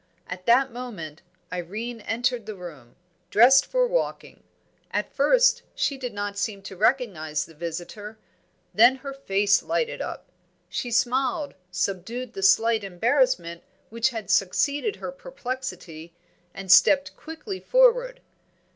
At that moment Irene entered the room, dressed for walking. At first she did not seem to recognise the visitor, then her face lighted up; she smiled, subdued the slight embarrassment which had succeeded to her perplexity, and stepped quickly forward.